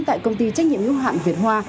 tại công ty trách nhiệm nhu hạn việt hoa